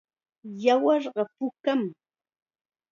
Yawarqa pukam.